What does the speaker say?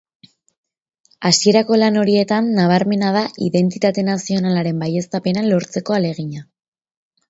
Hasierako lan horietan nabarmena da identitate nazionalaren baieztapena lortzeko ahalegina.